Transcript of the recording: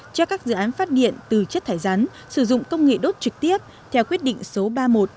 cho các dự án phát điện từ chất thải rắn sử dụng công nghệ đốt trực tiếp theo quyết định số ba mươi một hai nghìn một mươi bốn qdttg